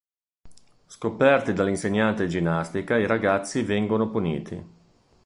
Scoperti dall'insegnante di ginnastica, i ragazzi vengono puniti.